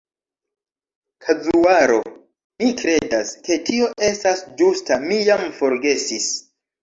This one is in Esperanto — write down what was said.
Kazuaro. Mi kredas, ke tio estas ĝusta, mi jam forgesis.